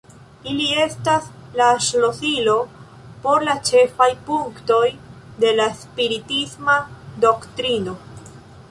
Ili estas la "ŝlosilo" por la ĉefaj punktoj de la spiritisma doktrino.